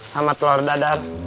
sama telur dadar